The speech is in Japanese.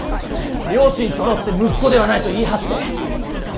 両親そろって「息子ではない」と言い張って。